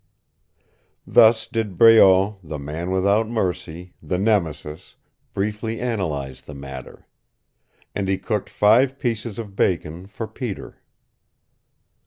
Thus did Breault, the man without mercy, the Nemesis, briefly analyze the matter. And he cooked five pieces of bacon for Peter.